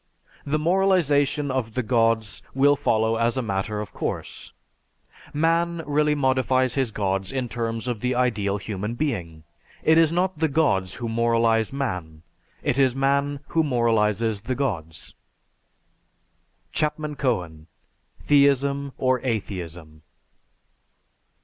The moralization of the Gods will follow as a matter of course. Man really modifies his Gods in terms of the ideal human being. It is not the Gods who moralize man, it is man who moralizes the Gods." (_Chapman Cohen: "Theism or Atheism."